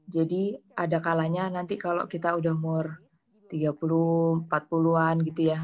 jadi ada kalanya nanti kalau kita udah umur tiga puluh empat puluh an gitu ya